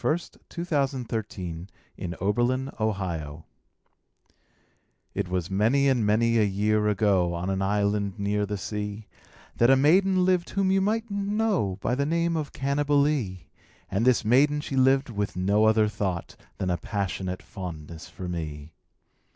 V^ Unknown, } 632 Parody A POE 'EM OF PASSION It was many and many a year ago, On an island near the sea, That a maiden lived whom you migbtnH know By the name of Cannibalee; And this maiden she lived with no other thought Than a passionate fondness for me.